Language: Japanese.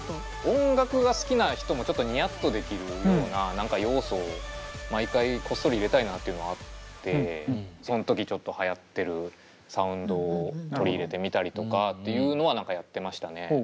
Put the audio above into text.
音楽が好きな人もちょっとニヤッとできるような何か要素を毎回こっそり入れたいなっていうのがあってその時ちょっとはやってるサウンドを取り入れてみたりとかっていうのは何かやってましたね。